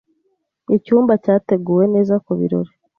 Icyumba cyateguwe neza kubirori.